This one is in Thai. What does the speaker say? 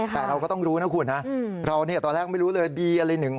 แต่เราก็ต้องรู้นะคุณฮะเราเนี่ยตอนแรกไม่รู้เลย